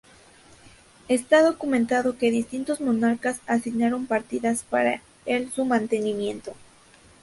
Está documentado que distintos monarcas asignaron partidas para el su mantenimiento.